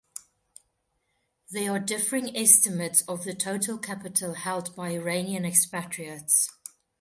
There are differing estimates of the total capital held by Iranian expatriates.